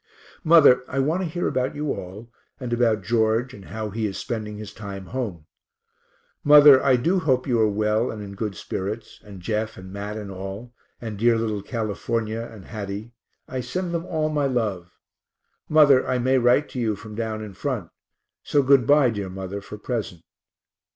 Mother, I want to hear about you all, and about George and how he is spending his time home. Mother, I do hope you are well and in good spirits, and Jeff and Mat and all, and dear little California and Hattie I send them all my love. Mother, I may write to you from down in front so good bye, dear mother, for present.